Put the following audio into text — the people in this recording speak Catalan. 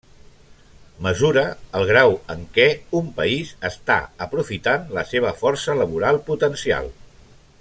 Mesura el grau en què un país està aprofitant la seva força laboral potencial.